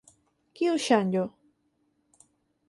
Kiu ŝanĝo?